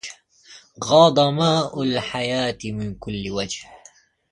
غاض ماء الحياء من كل وجه